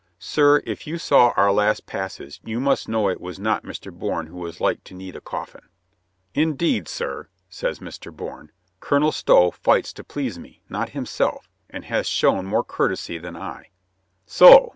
"Sir, if you saw our last passes, you must know it was not Mr. Bourne who was like to need a coffin." "Indeed, sir," says Mr. Bourne, "Colonel Stow fights to please me, not himself — and hath shown more courtesy than I." "So."